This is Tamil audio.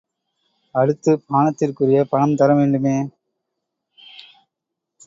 அடுத்து, பானத்திற்குரிய பணம் தரவேண்டுமே?